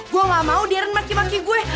gue gak mau diaren maki maki gue